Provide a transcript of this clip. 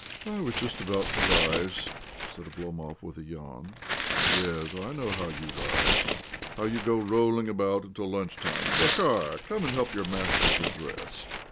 " I was just about to rise," said Oblomov with a yawn. " Yes ;/ know how you rise— how you go rolling about until lunch time I Zakhar, come and help your master to dress